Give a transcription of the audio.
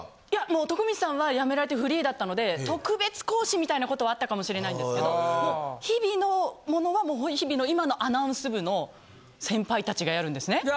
いや徳光さんは辞められてフリーだったので特別講師みたいなことはあったかもしれないんですけどもう日々のものは日々の今のアナウンス部の先輩たちがやるんですね。